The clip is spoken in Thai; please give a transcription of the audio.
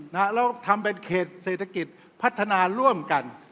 แล้วทำเป็นเขตเศรษฐกิจพัฒนาร่วมกัน